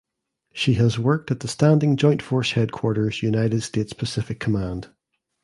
She has worked at the Standing Joint Force Headquarters United States Pacific Command.